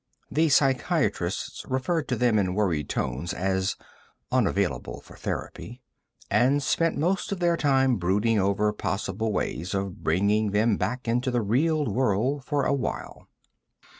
The psychiatrists referred to them in worried tones as "unavailable for therapy," and spent most of their time brooding over possible ways of bringing them back into the real world for a while.